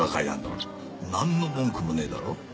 なんの文句もねえだろ？